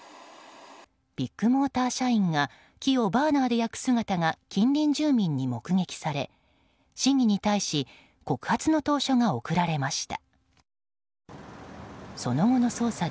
ビッグモーター社員が木をバーナーで焼く姿が近隣住民に目撃され市議に対し告発の投書が送られました。